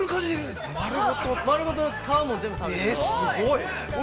◆すごい。